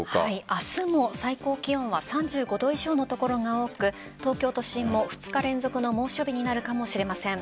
明日も最高気温は３５度以上の所が多く東京都心も２日連続の猛暑日になるかもしれません。